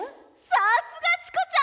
さすがチコちゃん！